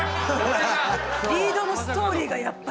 リードのストーリーがやっぱり。